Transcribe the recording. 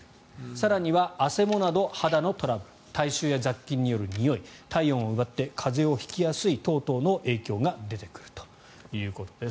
更にはあせもなど肌のトラブル体臭や雑菌によるにおい体温を奪って風邪を引きやすい等々の影響が出てくるということです。